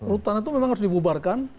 rutan itu memang harus dibubarkan